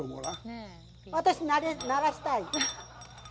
私、鳴らしたい。